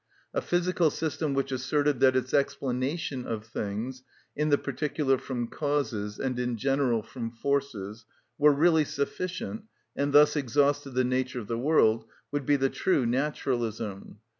A physical system which asserted that its explanations of things—in the particular from causes, and in general from forces—were really sufficient, and thus exhausted the nature of the world, would be the true Naturalism.